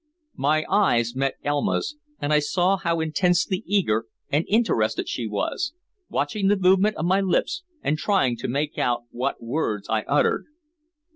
My eyes met Elma's, and I saw how intensely eager and interested she was, watching the movement of my lips and trying to make out what words I uttered.